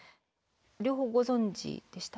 両方ご存じでした？